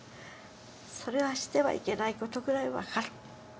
それはしてはいけない事ぐらい分かる。